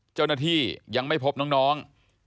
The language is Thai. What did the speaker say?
เจ้าหน้าที่ยังไม่พบน้อง